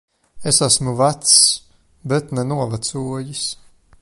Es esmu vecs. Bet ne novecojis.